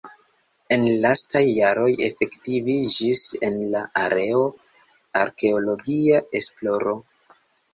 En lastaj jaroj efektiviĝis en la areo arkeologia esploro.